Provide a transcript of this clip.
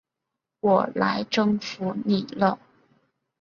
我来征服你了！